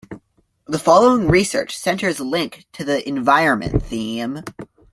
The following research centres link to the environment theme.